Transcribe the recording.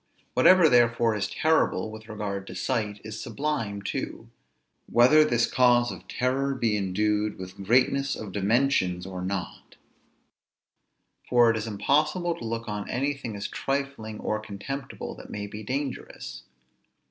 Whatever therefore is terrible, with regard to sight, is sublime too, whether this cause of terror be endued with greatness of dimensions or not; for it is impossible to look on anything as trifling, or contemptible, that may be dangerous.